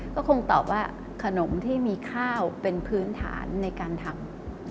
ก็คงตอบว่าขนมที่มีข้าวเป็นพื้นฐานในการทำ